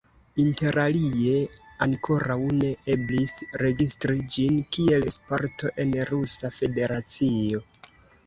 Interalie ankoraŭ ne eblis registri ĝin kiel sporto en Rusa Federacio.